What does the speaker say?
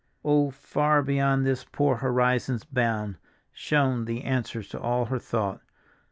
"Oh, far beyond this poor horizon's bound" shone the answer to all her thought.